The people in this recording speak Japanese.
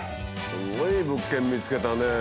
すごい物件見つけたね。